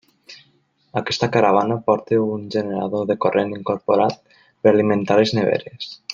Aquesta caravana porta un generador de corrent incorporat per alimentar les neveres.